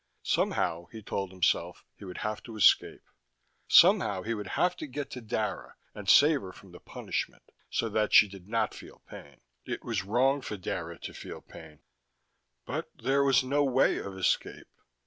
Somehow, he told himself, he would have to escape. Somehow he would have to get to Dara and save her from the punishment, so that she did not feel pain. It was wrong for Dara to feel pain. But there was no way of escape.